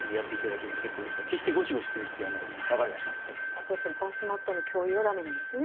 あとやっぱりバスマットの共有は駄目なんですね。